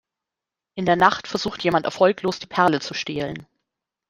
In der Nacht versucht jemand erfolglos die Perle zu stehlen.